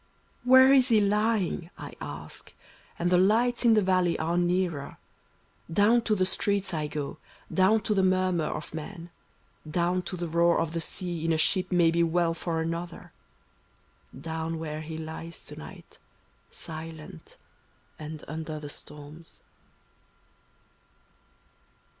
"Where is he lying?" I ask, and the lights in the valley are nearer; Down to the streets I go, down to the murmur of men. Down to the roar of the sea in a ship may be well for another — Down where he lies to night, silent, and imder the storms.